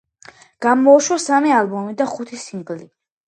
გამოუშვა სამი ალბომი და ხუთი სინგლი.